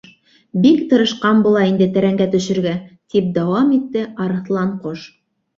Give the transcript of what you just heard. —Бик тырышҡан була инде тәрәнгә төшөргә, —тип дауам итте Арыҫланҡош.